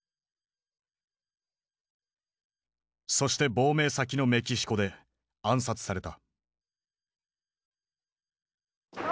そして亡命先のメキシコで暗殺された。